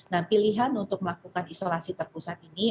nah pilihan untuk melakukan isolasi terpusat ini